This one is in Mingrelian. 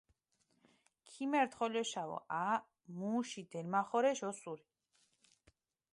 ქიმერთ ხოლოშავო, ა, მუში დელმახორეშ ოსური.